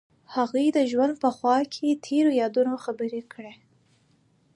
هغوی د ژوند په خوا کې تیرو یادونو خبرې کړې.